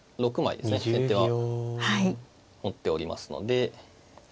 先手は持っておりますので。